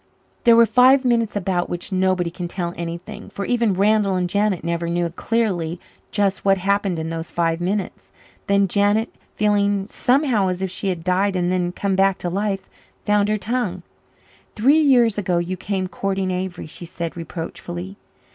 There were five minutes about which nobody can tell anything, for even Randall and Janet never knew clearly just what happened in those five minutes. Then Janet, feeling somehow as if she had died and then come back to life, found her tongue. "Three years ago you came courting Avery," she said reproachfully.